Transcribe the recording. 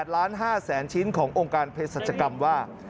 ๘๕ล้านชิ้นขององค์การพฤศจกรรมว่า